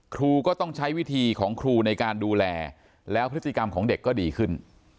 ครูก็ต้องใช้วิธีของครูในการดูแลแล้วพฤติกรรมของเด็กก็ดีขึ้น